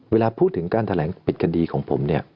เวลาพูดถึงการแถลงปิดคดีของผมเนี่ย